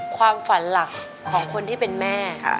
ความฝันหลักของคนที่เป็นแม่